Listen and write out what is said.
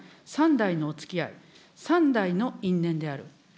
３台のおつきあい、３代の因縁である。